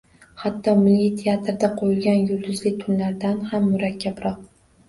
Hatto Milliy teatrda qo‘yilgan Yulduzli tunlardan ham murakkabroq.